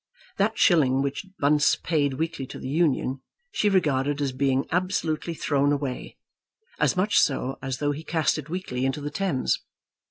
That shilling which Bunce paid weekly to the Union she regarded as being absolutely thrown away, as much so as though he cast it weekly into the Thames.